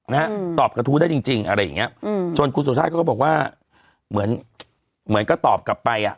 นะฮะตอบกระทู้ได้จริงจริงอะไรอย่างเงี้ยอืมจนคุณสุชาติเขาก็บอกว่าเหมือนเหมือนก็ตอบกลับไปอ่ะ